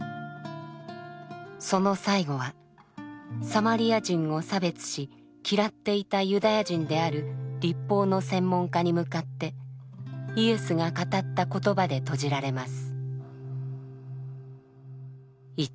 その最後はサマリア人を差別し嫌っていたユダヤ人である律法の専門家に向かってイエスが語った言葉で閉じられます。